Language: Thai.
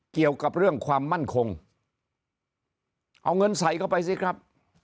เกี่ยวกับเรื่องความมั่นคงเอาเงินใส่เข้าไปสิครับ